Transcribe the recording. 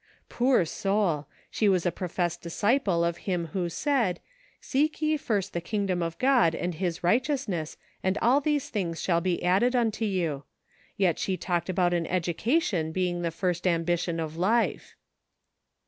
Poor soul ! she was a professed disciple of Him who said, " Seek ye first the kingdom of God and his righteousness, and all these ■ things shall be added unto you," yet she talked about an educa tion being the first ambition of life